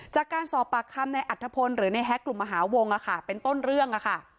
จากการสอบปากคำในอัธพลหรือในแฮ็กกลุ่มมหาวงเป็นต้นเรื่องค่ะ